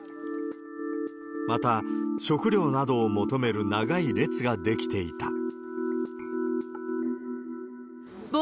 また、食料などを求める長い列が出来ていた。